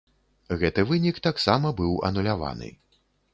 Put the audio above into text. Гэты вынік таксама быў ануляваны.